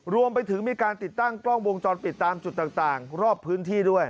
รวมไปถึงมีการติดตั้งกล้องวงจรปิดตามจุดต่างรอบพื้นที่ด้วย